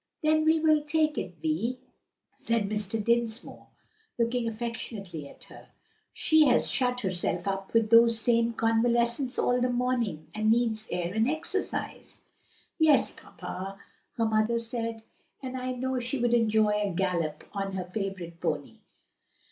"Then we will take Vi," said Mr. Dinsmore, looking affectionately at her; "she has shut herself up with those same convalescents all the morning and needs air and exercise." "Yes, papa," her mother said, "and I know she would enjoy a gallop on her favorite pony.